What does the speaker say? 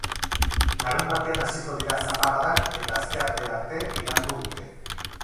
Larunbatean hasiko dira zaparradak, eta asteartera arte iraungo dute.